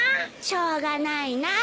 しょうがないな。